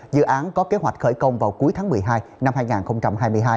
dự án có kế hoạch khởi công vào cuối tháng một mươi hai năm hai nghìn hai mươi hai